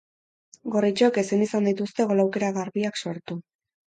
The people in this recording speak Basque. Gorritxoek ezin izan dituzte gol aukera garbiak sortu.